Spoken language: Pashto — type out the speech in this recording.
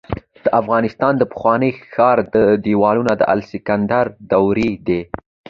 د کندهار د پخواني ښار دیوالونه د الکسندر دورې دي